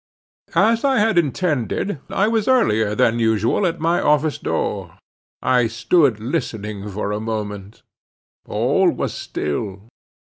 As I had intended, I was earlier than usual at my office door. I stood listening for a moment. All was still.